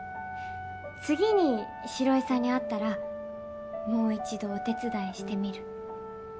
次に城井さんに会ったらもう一度お手伝いしてみる。